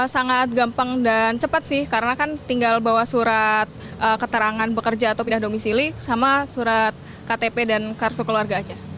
sangat gampang dan cepat sih karena kan tinggal bawa surat keterangan bekerja atau pindah domisili sama surat ktp dan kartu keluarga aja